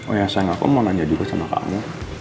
oh ya sayang aku mau nanya juga sama kamu